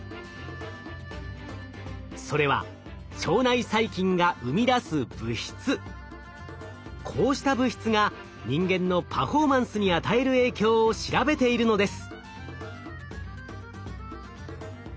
それはこうした物質が人間のパフォーマンスに与える影響を調べているのです。